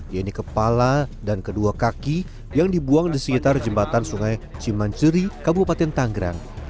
yaitu kepala dan kedua kaki yang dibuang di sekitar jembatan sungai cimanceri kabupaten tanggerang